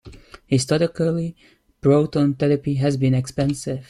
Historically, proton therapy has been expensive.